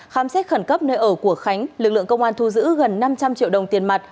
khám xét khẩn cấp nơi ở của khánh lực lượng công an thu giữ gần năm trăm linh triệu đồng tiền mặt